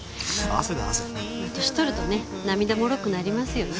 まあ年取るとね涙もろくなりますよね。